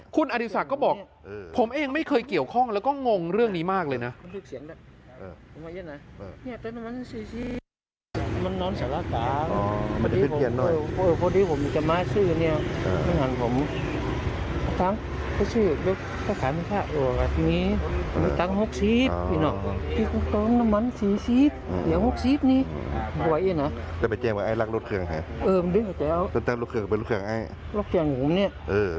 คุณอดีศักดิ์ก็บอกผมเองไม่เคยเกี่ยวข้องแล้วก็งงเรื่องนี้มากเลยนะ